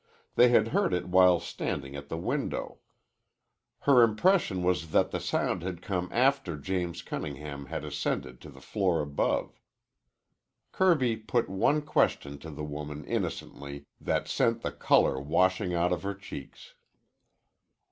They had heard it while standing at the window. Her impression was that the sound had come after James Cunningham had ascended to the floor above. Kirby put one question to the woman innocently that sent the color washing out of her cheeks.